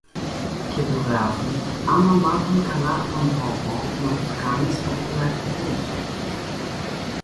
Και του γράφει: "Άμα μάθουν καλά τον τόπο, να τους κάνεις οπλαρχηγούς"